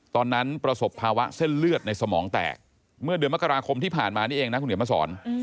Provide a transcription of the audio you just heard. ประสบภาวะเส้นเลือดในสมองแตกเมื่อเดือนมกราคมที่ผ่านมานี่เองนะคุณเดี๋ยวมาสอน